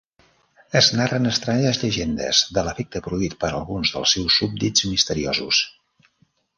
Es narren estranyes llegendes de l'efecte produït per alguns dels seus súbdits misteriosos.